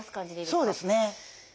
そうですね。